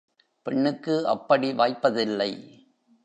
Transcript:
பெண்ணுக்கு அப்படி வாய்ப்பதில்லை.